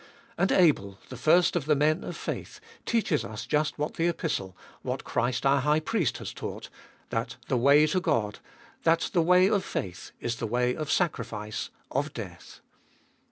And Abel, the first of the men of faith, teaches us just what the Epistle, what Christ our High Priest 428 abe Dolfeet of 2UI has taught — that the way to God, that the way of faith, is the way of sacrifice, of death.